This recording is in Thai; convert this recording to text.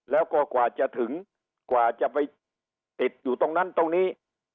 แล้วก็กว่าจะถึงกว่าจะไปติดอยู่ตรงนั้นตรงนี้